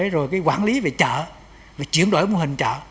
rồi cái quản lý về chợ rồi chuyển đổi mô hình chợ